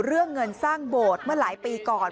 เรื่องเงินสร้างโบสถ์เมื่อหลายปีก่อน